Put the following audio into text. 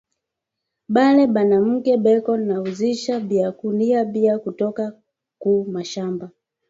Bale banamuke beko na uzisha biakuria bia kutoka ku mashamba